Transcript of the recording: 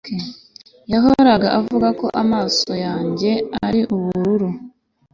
yahoraga avuga ko amaso yanjye yari ubururu